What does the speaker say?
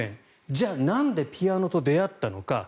じゃあ、なんでピアノと出会ったのか。